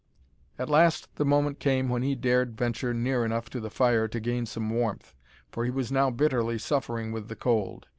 At last the moment came when he dared venture near enough to the fire to gain some warmth, for he was now bitterly suffering with the cold.